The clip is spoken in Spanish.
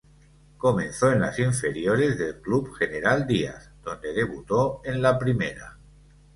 Comenzó en las inferiores del Club General Díaz, donde debutó en la primera.